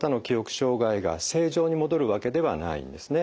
障害が正常に戻るわけではないんですね。